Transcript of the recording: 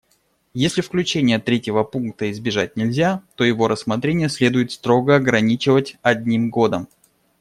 Если включения третьего пункта избежать нельзя, то его рассмотрение следует строго ограничивать одним годом.